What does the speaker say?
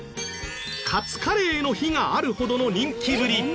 カツカレーの日があるほどの人気ぶり。